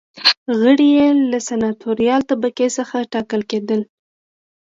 غړي یې له سناتوریال طبقې څخه ټاکل کېدل.